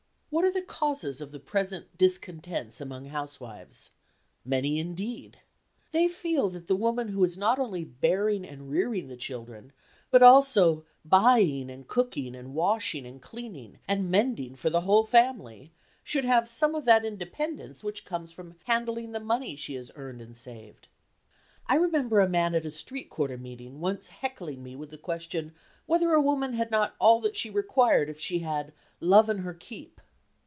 What are the causes of the present discontents among housewives? Many indeed. They feel that the woman who is not only bearing and rearing the children, but also buying and cooking and washing and cleaning and mending for the whole family, should have some of that independence which comes from handling the money she has earned and saved. I remember a man at a street corner meeting once heckling me with the question whether a woman had not all that she required if she had "love an' her keep."